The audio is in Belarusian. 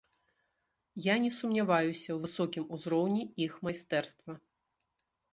Я не сумняваюся ў высокім узроўні іх майстэрства.